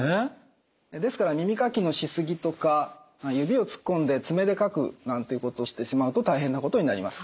ですから耳かきのしすぎとか指を突っ込んで爪でかくなんていうことをしてしまうと大変なことになります。